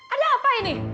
ada apa ini